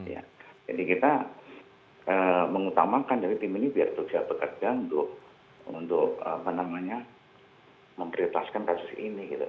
jadi kita mengutamakan dari tim ini biar kerja pekerjaan untuk memprioritaskan kasus ini